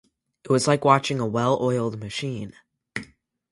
It was like watching a well-oiled machine.